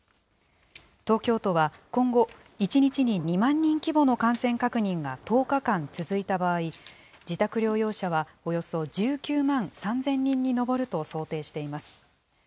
東京都は今後、１日に２万人規模の感染確認が１０日間続いた場合、自宅療養者はおよそ１９万３０００人に上ると想定しています。